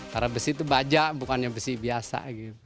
karena besi itu baja bukannya besi biasa